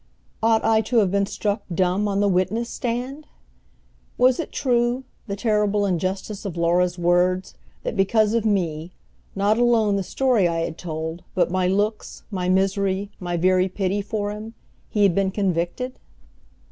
Ought I to have been struck dumb on the witness stand? Was it true, the terrible injustice of Laura's words, that because of me not alone the story I had told, but my looks, my misery, my very pity for him he had been convicted?